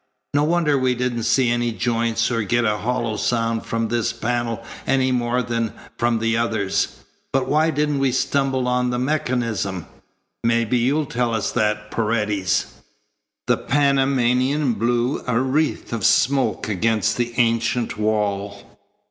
No wonder we didn't see any joints or get a hollow sound from this panel any more than from the others. But why didn't we stumble on the mechanism? Maybe you'll tell us that, Paredes." The Panamanian blew a wreath of smoke against the ancient wall.